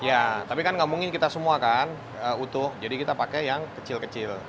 ya tapi kan ngomongin kita semua kan utuh jadi kita pakai yang kecil kecil